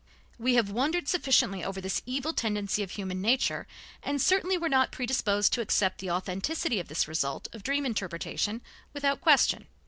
We have wondered sufficiently over this evil tendency of human nature, and certainly were not predisposed to accept the authenticity of this result of dream interpretation without question.